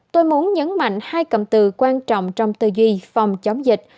tôi muốn nhấn mạnh hai cầm từ quan trọng trong tư duy phòng chống dịch